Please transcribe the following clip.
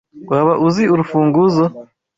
Waba uzi urufunguzo?